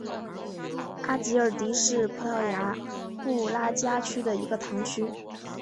阿吉尔迪是葡萄牙布拉加区的一个堂区。